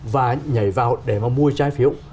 và nhảy vào để mà mua trái phiếu